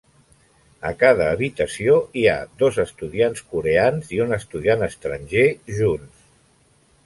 A cada habitació, hi ha dos estudiants coreans i un estudiant estranger junts.